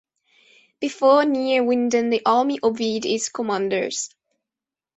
Before Neerwinden, the army obeyed its commanders.